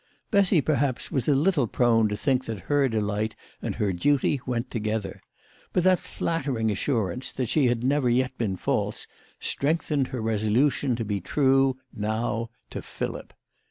Bessy perhaps was a little prone to think that her delight and her duty went together. But that flatter ing assurance, that she had never yet been false, strengthened her resolution to be true, now, to Philip.